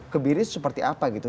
kebiri seperti apa gitu